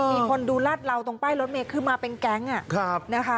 มีคนดูลาดเหลาตรงป้ายรถเมย์คือมาเป็นแก๊งนะคะ